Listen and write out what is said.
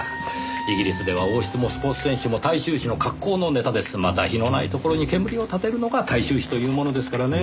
イギリスでは王室もスポーツ選手も大衆紙の格好のネタです。また火のないところに煙を立てるのが大衆紙というものですからねぇ。